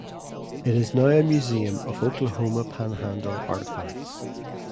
It is now a museum of Oklahoma Panhandle artifacts.